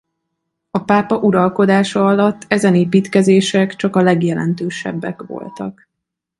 A pápa uralkodása alatt ezen építkezések csak a legjelentősebbek voltak.